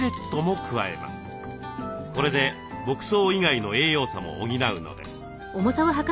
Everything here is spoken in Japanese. これで牧草以外の栄養素も補うのです。